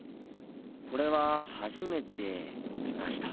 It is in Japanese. これは初めて見ました。